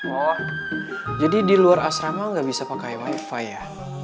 oh jadi di luar asrama nggak bisa pakai wifi ya